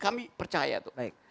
kami percaya tuh